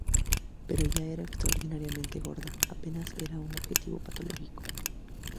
Pero ya que era extraordinariamente gorda apenas era un objetivo patológico.